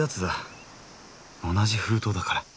同じ封筒だから。